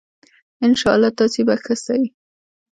ان شاءاللّه تاسي به ښه سئ